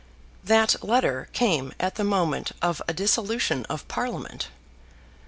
That letter came at the moment of a dissolution of Parliament.